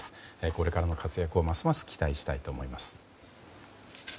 これからの活躍もますます期待したいと思います。